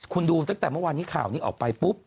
คุณดูตั้งแต่เมื่อวานนี้ข่าวนี้ออกไปปุ๊บ